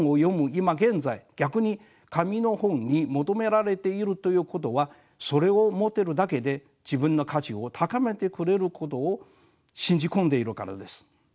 今現在逆に紙の本に求められているということはそれを持ってるだけで自分の価値を高めてくれることを信じ込んでいるからです。